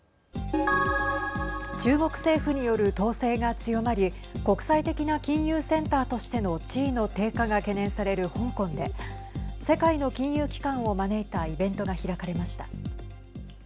中国政府による統制が強まり国際的な金融センターとしての地位の低下が懸念される香港で世界の金融機関を招いたイベントが開かれました。